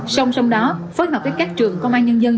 song song đó phối hợp với các trường công an nhân dân